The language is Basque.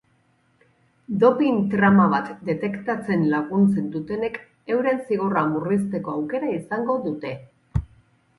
Dopin trama bat detektatzen laguntzen dutenek euren zigorra murrizteko aukera izango dute.